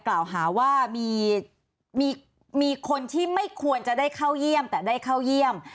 กล่าวหาว่ามีคนที่ไม่ควรจะได้เข้าเยี่ยมแต่ได้เข้าเยี่ยม